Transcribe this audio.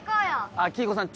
あっ黄以子さん